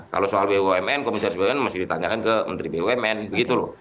kalau soal bumn komisaris bumn mesti ditanyakan ke menteri bumn begitu loh